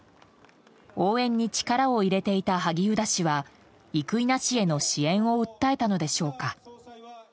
応援に力を入れていた萩生田氏は生稲氏への支援を訴えたのでしょうか？